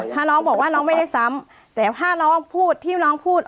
ถ้าน้องบอกว่าน้องไม่ได้ซ้ำแต่ถ้าน้องพูดที่น้องพูด